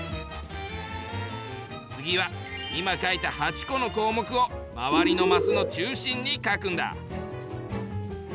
次は今書いた８個の項目を周りのマスの中心に書くんだ。